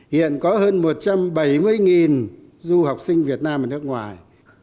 hiện có hơn một trăm bảy mươi du học sinh việt nam ở nước ngoài